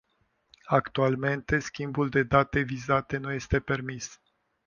Actualmente schimbul de date vizate nu este permis.